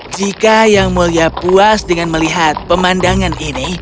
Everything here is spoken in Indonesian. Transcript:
jika yang mulia puas dengan melihat pemandangan ini